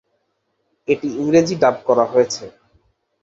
এটির ইংরেজি ডাব করা হয়েছে।